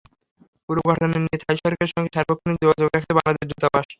পুরো ঘটনা নিয়ে থাই সরকারের সঙ্গে সার্বক্ষণিক যোগাযোগ রাখছে বাংলাদেশ দূতাবাস।